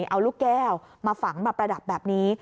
เอาลูกแก้วมาฝังมาประดับแบบนี้